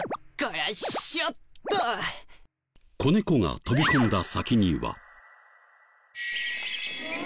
子猫が飛び込んだ先には。